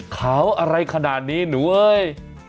ขาวอะไรขนาดนี้หนูเอ้ย